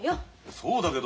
そうだけど。